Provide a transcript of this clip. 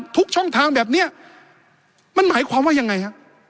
ทุกช่องทางแบบนี้มันหมายความว่ายังไงฮะ